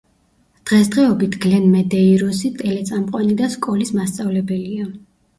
დღესდღეობით გლენ მედეიროსი ტელეწამყვანი და სკოლის მასწავლებელია.